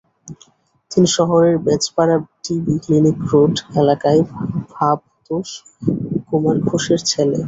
তিনি শহরের Bejpara TB clinic road এলাকার ভবতোষ কুমার ঘোষের ছেলে।